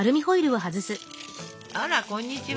あらこんにちは。